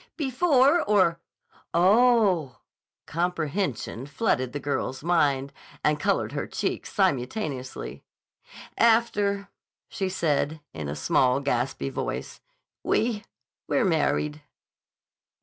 "Before or—Oh!!" Comprehension flooded the girl's mind and colored her cheeks simultaneously. "After," she said, in a small, gaspy voice. "We—we're married."